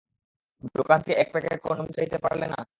দোকান থেকে এক প্যাকেট কনডম চাইতে পারলে না।